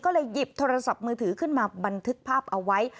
ก็เลยหยิบโทรศัพท์มือถือขึ้นมาบันทึกภาพเอาไว้